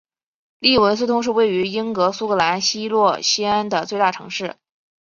利文斯通是位于英国苏格兰西洛锡安的最大城市。